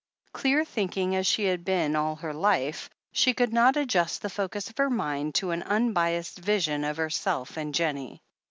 Clear thinking as she had been all her life, she could not adjust the focus of her mind to an unbiased vision of herself and Jennie.